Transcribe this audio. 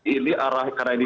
ini arah karena ini